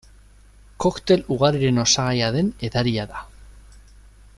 Koktel ugariren osagaia den edaria da.